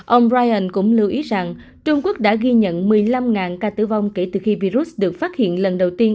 ông brien cũng lưu ý rằng trung quốc đã ghi nhận một mươi năm ca tử vong kể từ khi virus được phát hiện lần đầu tiên